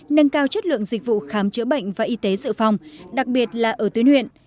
nâng cao chất lượng dịch vụ khám chữa bệnh và y tế dự phòng đặc biệt là ở tuyến huyện